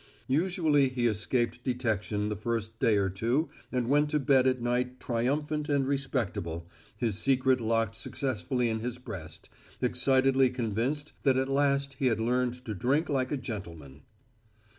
Usually he escaped detection the first day or two and went to bed at night triumphant and respectable, his secret locked successfully in his breast, excitedly convinced that at last he had learned to drink like a gentleman.